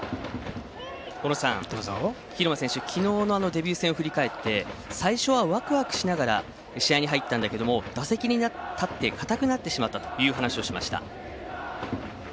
蛭間選手、昨日のデビュー戦を振り返って最初は、ワクワクしながら試合に入ったんだけども打席に立って硬くなってしまったという話をしました。